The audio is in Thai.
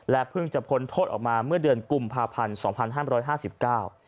เพิ่งจะพ้นโทษออกมาเมื่อเดือนกุมภาพันธ์สองพันห้ามร้อยห้าสิบเก้า